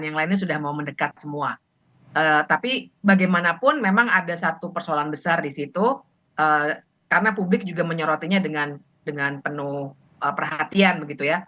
yang lainnya sudah mau mendekat semua tapi bagaimanapun memang ada satu persoalan besar di situ karena publik juga menyorotinya dengan dengan penuh perhatian begitu ya